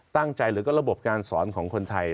ตั้งใจหรือก็ระบบการสอนของคนไทย